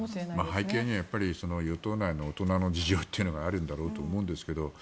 背景には与党内の大人の事情があるんだろうと思うんですけど。